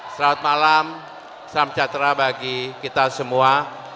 selamat malam salam sejahtera bagi kita semua